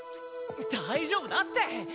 大丈夫だって！